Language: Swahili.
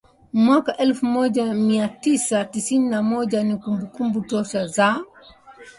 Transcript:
mwaka elfu moja mia tisa tisini na moja ni kumbukumbu tosha za mwanamuziki